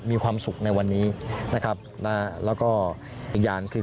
มีความสุขในวันนี้แล้วก็อีกอย่างคือ